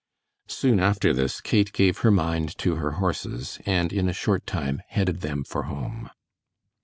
Soon after this Kate gave her mind to her horses, and in a short time headed them for home.